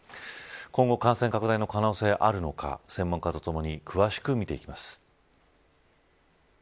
今後感染拡大の可能性はあるのか専門家とともに詳しく見ていきます。